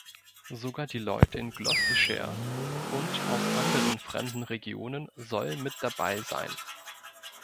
Sogar die Leute in Gloucestershire und aus anderen fremden Regionen sollen mit dabei sein.